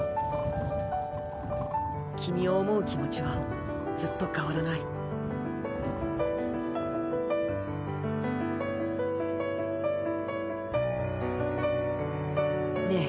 君を思う気持ちはずっと変わらないねえ